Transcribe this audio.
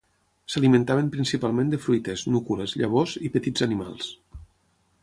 S'alimentaven principalment de fruites, núcules, llavors i petits animals.